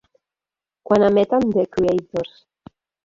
Quan emeten The Creators